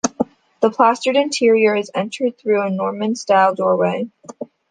The plastered interior is entered through a Norman style doorway.